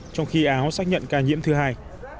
trong khi áo xác nhận ca nhiễm thứ hai